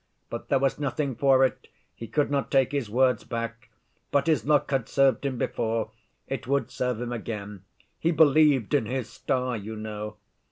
But there was nothing for it; he could not take his words back, but his luck had served him before, it would serve him again. He believed in his star, you know!